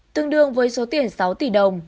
tương đương với số tiền sáu tỷ đồng